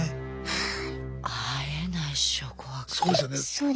はい。